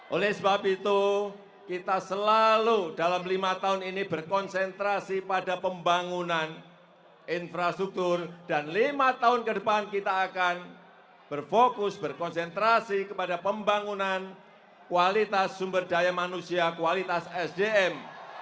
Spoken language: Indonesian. oleh sebab itu kita selalu dalam lima tahun ini berkonsentrasi pada pembangunan infrastruktur dan lima tahun ke depan kita akan berfokus berkonsentrasi kepada pembangunan kualitas sumber daya manusia kualitas sdm